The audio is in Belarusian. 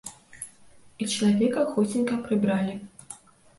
І чалавека хуценька прыбралі.